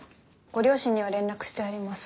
ご両親には連絡してあります。